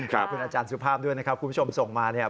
ขอบคุณอาจารย์สุภาพด้วยนะครับคุณผู้ชมส่งมาเนี่ย